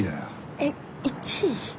えっ１位？